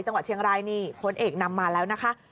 จังหวัดเชียงรายนี่พลเอกนำมาแล้วนะคะ